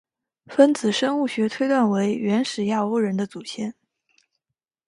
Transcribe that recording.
分子生物学推断为原始亚欧人的祖先。